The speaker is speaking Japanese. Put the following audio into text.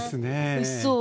おいしそう。